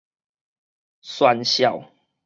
訕笑